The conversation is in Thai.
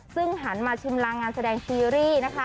ซึ่งหันมาชิมลางงานแสดงซีรีส์นะคะ